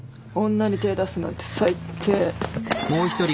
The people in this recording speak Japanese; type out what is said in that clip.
女に手出すなんて最低。